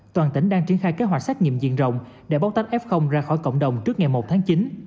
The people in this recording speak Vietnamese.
toàn tỉnh đang triển khai kế hoạch xét nghiệm diện rộng để bóc tách f ra khỏi cộng đồng trước ngày một tháng chín